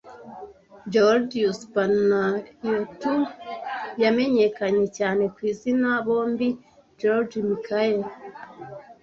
Georgius Panayiotou yamenyekanye cyane ku izina (bombi) George Michael